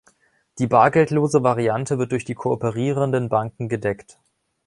Die bargeldlose Variante wird durch die kooperierenden Banken gedeckt.